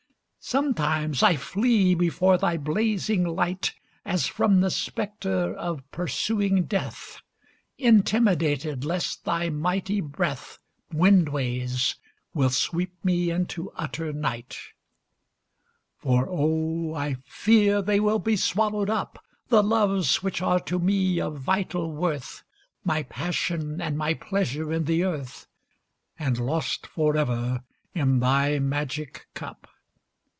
Sometimes I flee before thy blazing light, As from the specter of pursuing death; Intimidated lest thy mighty breath, Windways, will sweep me into utter night. For oh, I fear they will be swallowed up The loves which are to me of vital worth, My passion and my pleasure in the earth And lost forever in thy magic cup!